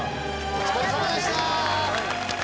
お疲れさまでした！